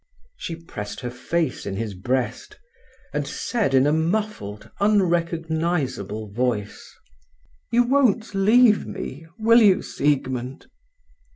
She pressed her face in his breast, and said in a muffled, unrecognizable voice: "You won't leave me, will you, Siegmund?"